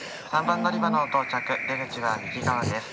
３番乗り場の到着出口は右側です。